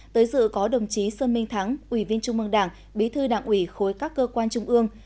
tới dự có đồng chí sơn minh thắng ủy viên trung mương đảng bí thư đảng ủy khối các cơ quan trung ương